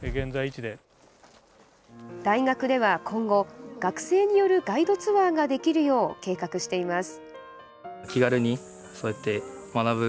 大学では今後、学生によるガイドツアーができるよう計画しています。